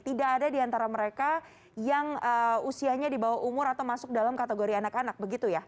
tidak ada di antara mereka yang usianya di bawah umur atau masuk dalam kategori anak anak begitu ya